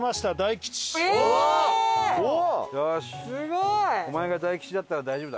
すごい！